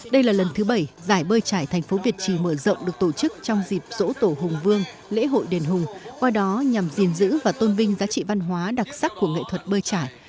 đây là lần thứ bảy giải bơi trải thành phố việt trì mở rộng được tổ chức trong dịp dỗ tổ hùng vương lễ hội đền hùng qua đó nhằm gìn giữ và tôn vinh giá trị văn hóa đặc sắc của nghệ thuật bơi trải